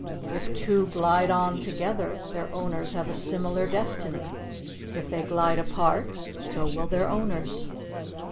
If two glide on together, their owners have a similar destiny; if they glide apart, so will their owners.